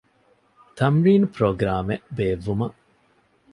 ތަމްރީނު ޕްރޮގްރާމެއް ބޭއްވުމަށް